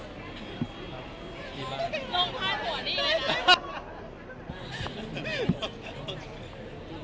ลงพาดหัวนี่เลยนะ